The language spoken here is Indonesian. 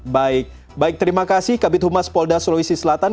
baik baik terima kasih kabit humas polda sulawesi selatan